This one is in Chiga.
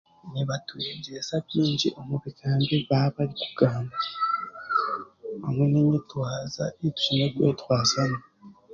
Nibatwegyesa baingi omu bigambo ebi baarabarikugamba , hamwe n'enyetwaza ei tushemeriere kwetwaza mu